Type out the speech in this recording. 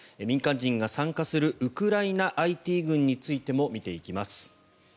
民間人が参加するウクライナＩＴ軍についても見ていきます。